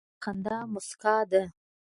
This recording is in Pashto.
هلک د خندا موسکا ده.